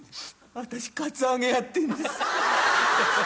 私カツアゲやってんです。